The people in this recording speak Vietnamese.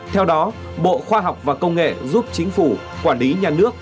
theo đó bộ khoa học và công nghệ giúp chính phủ quản lý nhà nước